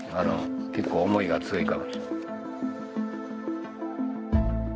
結構思いが強い。